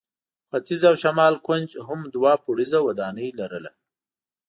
ختیځ او شمال کونج هم دوه پوړیزه ودانۍ لرله.